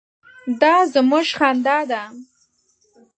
_دا زموږ خندا ده.